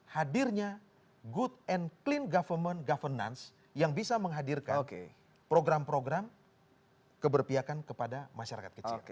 hadirnya good and clean government governance yang bisa menghadirkan program program keberpiakan kepada masyarakat kecil